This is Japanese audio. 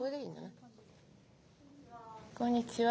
こんにちは。